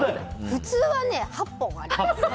普通はね、８本ありますね。